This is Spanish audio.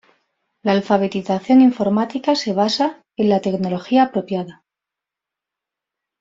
La alfabetización informática se basa en la tecnología apropiada.